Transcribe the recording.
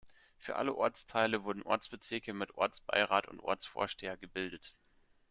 Für alle Ortsteile wurden Ortsbezirke mit Ortsbeirat und Ortsvorsteher gebildet.